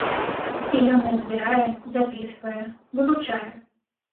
І ён іх збірае, запісвае, вывучае.